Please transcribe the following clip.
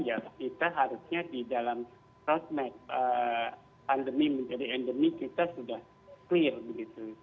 ya kita harusnya di dalam roadmap pandemi menjadi endemi kita sudah clear begitu